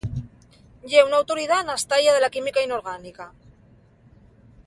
Ye una autoridá na estaya de la química inorgánica.